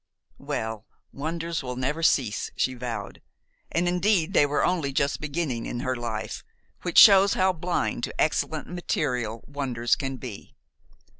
"Well, wonders will never cease," she vowed; and indeed they were only just beginning in her life, which shows how blind to excellent material wonders can be.